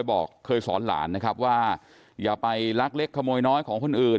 บอกเคยสอนหลานนะครับว่าอย่าไปลักเล็กขโมยน้อยของคนอื่น